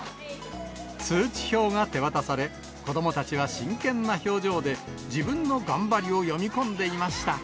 通知表が手渡され、子どもたちは真剣な表情で、自分の頑張りを読み込んでいました。